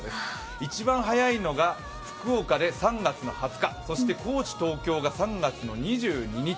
一番早いのが福岡で３月の２０日そして高知・東京が３月２２日。